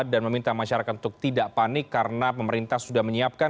dan meminta masyarakat untuk tidak panik karena pemerintah sudah menyiapkan